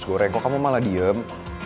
oh kamu malah diam